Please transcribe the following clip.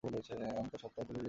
আমি তার সত্তায় ডুবে গিয়ে জেনেছি।